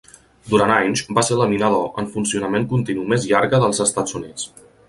Durant anys, va ser la mina d'or en funcionament continu més llarga dels Estats Units.